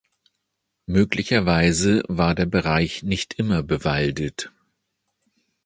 Möglicherweise war der Bereich nicht immer bewaldet.